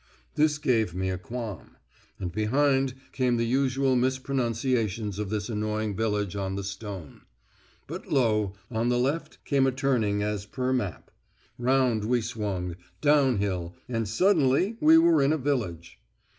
This gave me a qualm; and behind came the usual mispronunciations of this annoying village on the stone. But lo! on the left came a turning as per map. Round we swung, downhill, and suddenly we were in a village.